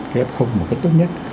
cái f một cách tốt nhất